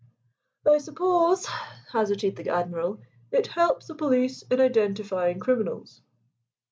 "I suppose," hazarded the Admiral, "it helps the police in identifying criminals."